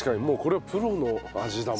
もうこれはプロの味。